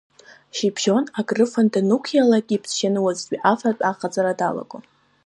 Шьыбжьон акрыфаны данықәиалак, иԥсаашьаны уаҵәтәи афатә аҟаҵара дналагон.